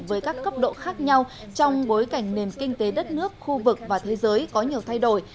với các cấp độ khác nhau trong bối cảnh nền kinh tế đất nước khu vực và thế giới có nhiều thay đổi